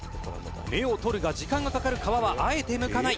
「芽を取るが時間がかかる皮はあえてむかない」